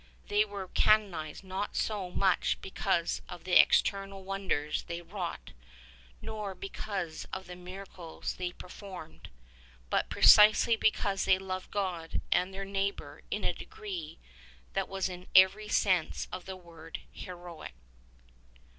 They were canonized not so much because of the external wonders they wrought, nor because of the miracles they per formed, but precisely because they loved God and their neigh bor in a degree that was in every sense of the word heroic.